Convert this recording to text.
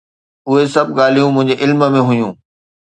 اهي سڀ ڳالهيون منهنجي علم ۾ هيون.